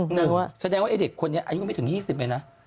หนึ่งแสดงว่าเด็กคนนี้อายุไม่ถึง๒๐ไปนะ